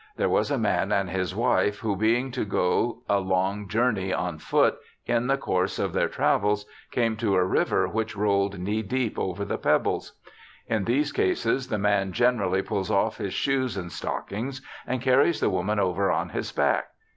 There was a man and his wife who, being to go a long journey on foot, in the course of their travels came to a river which rolled knee deep over the pebbles. In these cases the man generally pulls off his shoes and stockings and carries the woman over on his back.